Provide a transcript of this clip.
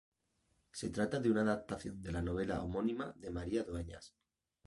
Se trata de una adaptación de la novela homónima de María Dueñas.